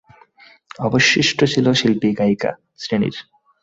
অবশিষ্ট ছিল শিল্পী-গায়িকা শ্রেণীর।